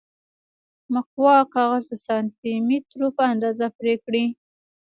مقوا کاغذ د سانتي مترو په اندازه پرې کړئ.